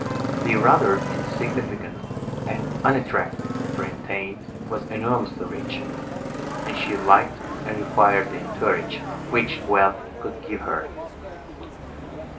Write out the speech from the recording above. The rather insignificant and unattractive Brantain was enormously rich; and she liked and required the entourage which wealth could give her.